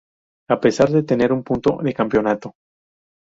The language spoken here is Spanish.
A pesar de tener un punto de campeonato.